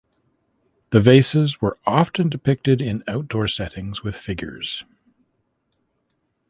The vases were often depicted in outdoor settings with figures.